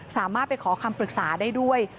สามารถไปขอคำปรึกษาได้ด้วย